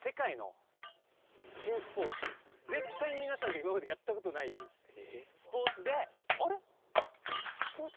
絶対に皆さんが今までやったことないスポーツで。